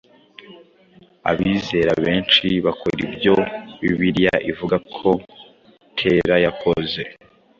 Abizera benshi bakora ibyo Bibiliya ivuga ko Tera yakoze.